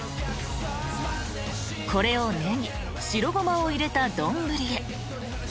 ［これをネギ白ごまを入れた丼へ］